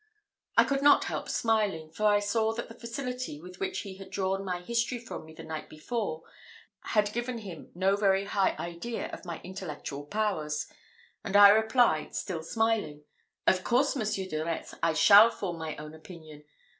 I could not help smiling, for I saw that the facility with which he had drawn my history from me the night before had given him no very high idea of my intellectual powers, and I replied, still smiling, "Of course, Monsieur de Retz, I shall form my own opinion.